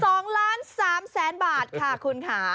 ก็จะต้องเป็น๓แสนบาทค่ะคุณค่ะ